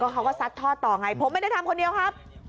เขาก็ซัดทอดต่อไงผมไม่ได้ทำคนเดียวครับ